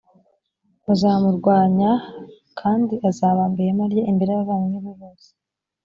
bazamurwanya a kandi azabamba ihema rye imbere y abavandimwe be bose